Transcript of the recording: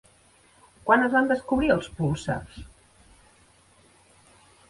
Quan es van descobrir els púlsars?